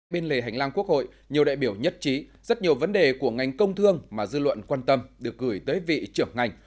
bên lề hành lang quốc hội nhiều đại biểu nhất trí rất nhiều vấn đề của ngành công thương mà dư luận quan tâm được gửi tới vị trưởng ngành